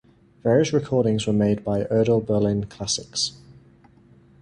Various recordings were made by Edel Berlin Classics.